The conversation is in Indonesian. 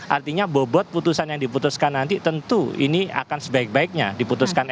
artinya bobot putusan yang diputuskan nanti tentu ini akan sebaik baiknya diputuskan